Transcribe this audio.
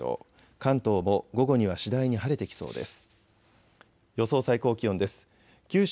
関東も午後には次第に晴れてきそうです。